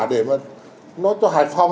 để mà nó cho hải phòng